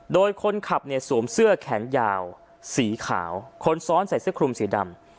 โดยคนขับเนี่ยสวมเสื้อแขนยาวสีขาวคนซ้อนใส่เสื้อคลุมสีดำ